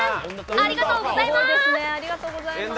ありがとうございます！